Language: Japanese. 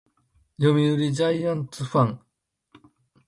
読売ジャイアンツファン